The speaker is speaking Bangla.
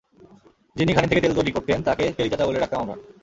যিনি ঘানি থেকে তেল তৈরি করতেন, তাঁকে তেলি চাচা বলে ডাকতাম আমরা।